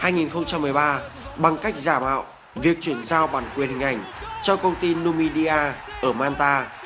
năm hai nghìn một mươi ba bằng cách giả mạo việc chuyển giao bản quyền hình ảnh cho công ty numidia ở malta